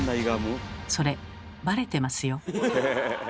それバレてますよ。